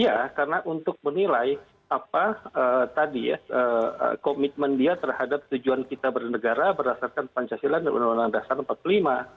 ya karena untuk menilai komitmen dia terhadap tujuan kita bernegara berdasarkan pancasila dan undang undang dasar empat puluh lima